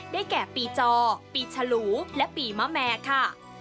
แก่ปีจอปีฉลูและปีมะแม่ค่ะ